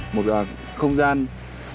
một không gian tự nhiên